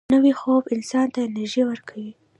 نوی خوب انسان ته انرژي ورکوي